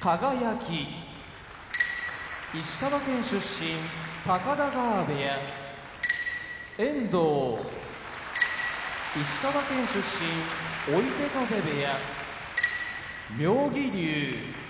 輝石川県出身高田川部屋遠藤石川県出身追手風部屋妙義龍